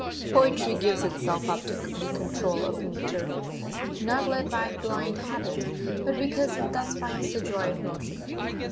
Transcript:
Poetry gives itself up to the control of metre, not led by blind habit, but because it thus finds the joy of motion.